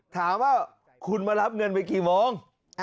ถามว่าคุณมารับเงินไปกี่โมง